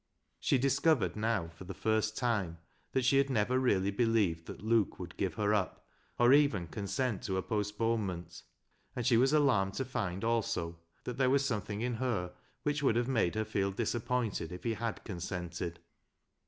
She discovered now, for the first time, that she had never really believed that Luke would give her up, or even consent to a postponement, and she was alarmed to find also that there was something in her which would have made her feel disappointed if he had consented.